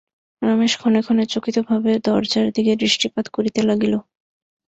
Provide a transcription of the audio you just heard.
রমেশ ক্ষণে ক্ষণে চকিতভাবে দরজার দিকে দৃষ্টিপাত করিতে লাগিল।